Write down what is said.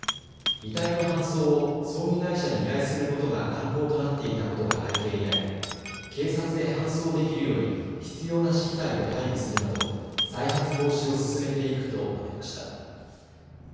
遺体の搬送を葬儀会社に依頼することが慣行となっていたことが背景にあり警察で搬送できるように必要な資機材を配備するなど再発防止を進めていくと述べました。